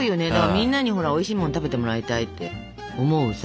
みんなにほらおいしいもん食べてもらいたいって思うさ